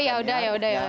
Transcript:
oh yaudah yaudah ya